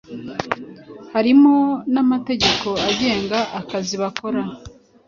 harimo namategeko agenga akazi bakora